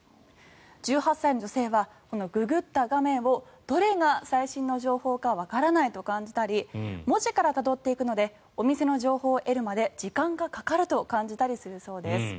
１８歳の女性はググった画面をどれが最新の情報かわからないと感じたり文字からたどっていくのでお店の情報を得るまで時間がかかると感じたりするそうです。